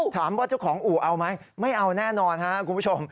ถามว่าเจ้าของอู่เอาไหมไม่เอาแน่นอนครับคุณผู้ชม